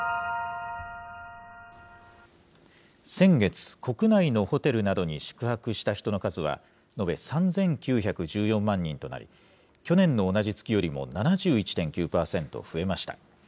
先月、国内のホテルなどに宿泊した人の数は、延べ３９１４万人となり、去年の同じ月よりも７１．９％増えました。